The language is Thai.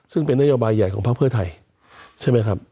ซึ่งเป็นนโยบายใหญ่ของภาคเพื่อไทยใช่ไหมครับ